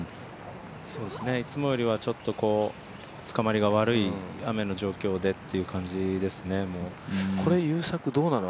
いつもよりはちょっとつかまりが悪い雨の状況でという感じですね、もうこれ、どうなの？